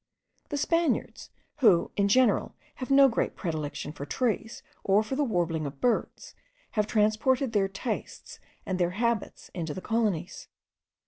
The Spaniards, who in general have no great predilection for trees, or for the warbling of birds, have transported their tastes and their habits into the colonies.